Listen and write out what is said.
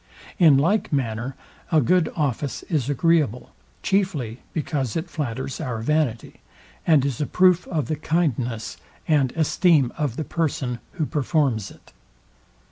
In like manner, a good office is agreeable, chiefly because it flatters our vanity, and is a proof of the kindness and esteem of the person, who performs it.